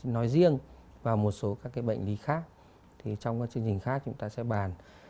nói riêng vào một số các bệnh lý khác thì trong các chương trình khác chúng ta sẽ bàn